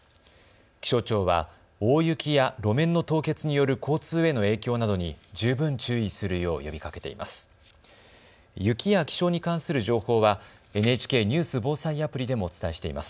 気象庁は大雪や路面の凍結による交通への影響などに十分注意するよう呼びかけています。